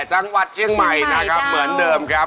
จังหวัดเชียงใหม่นะครับเหมือนเดิมครับ